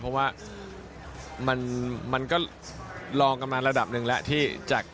เพราะว่ามันก็รองกำลังระดับหนึ่งแล้วที่